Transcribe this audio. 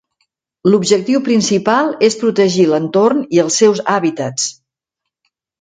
L'objectiu principal és protegir l'entorn i els seus hàbitats.